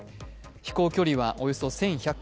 飛行距離はおよそ１１００ｋｍ